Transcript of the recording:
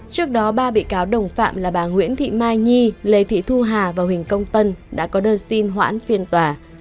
trước đó ba bị cáo đồng phạm là bà nguyễn thị mai nhi lê thị thu hà và huỳnh công tân đã có đơn xin hoãn phiên tòa